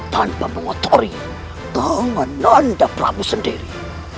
tanpa mengotori tangan nanda prabu sendiri